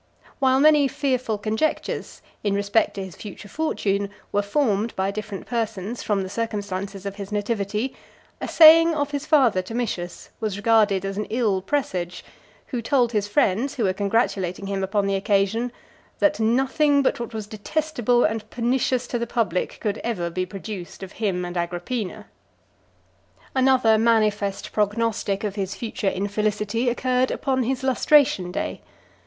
While many fearful conjectures, in respect to his future fortune, were formed by different persons, from the circumstances of his nativity, a saying of his father, Domitius, was regarded as an ill presage, who told his friends who were congratulating him upon the occasion, "That nothing but what was detestable, and pernicious to the public, could ever be produced of him and Agrippina." Another manifest prognostic of his future infelicity occurred upon his lustration day .